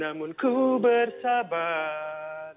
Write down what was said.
namun ku bersabar